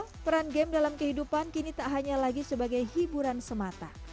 menurut cipto perang game dalam kehidupan kini tak hanya lagi sebagai hiburan semata